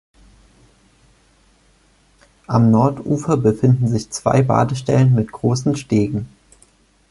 Am Nordufer befinden sich zwei Badestellen mit großen Stegen.